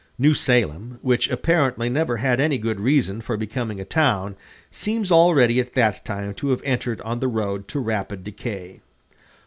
New Salem, which apparently never had any good reason for becoming a town, seems already at that time to have entered on the road to rapid decay.